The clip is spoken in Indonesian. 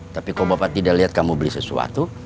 tapi kok bapak tidak liat kamu beli sesuatu